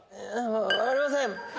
わ分かりません！